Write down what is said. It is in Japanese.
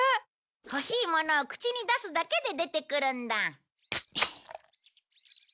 欲しいものを口に出すだけで出てくるんだ。